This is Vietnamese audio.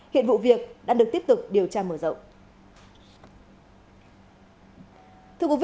hiện vụ việc đã được tiếp tục điều tra mở rộng